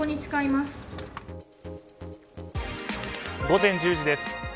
午前１０時です。